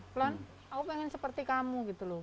flon aku pengen seperti kamu gitu loh